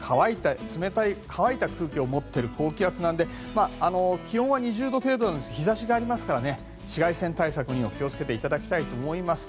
冷たい乾いた空気を持っている持っている高気圧なので気温は２０度程度ですが日差しがありますから紫外線対策にはお気をつけていただきたいと思います。